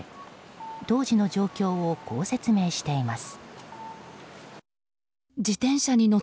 当時の状況をこう説明しています。